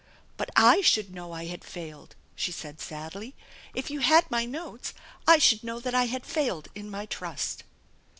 " But I should know I had failed !" she said sadly. " If you had my notes I should know that I had failed in my trust."